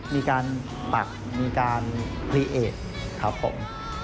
มีการปักมีการพรีเอทครับผม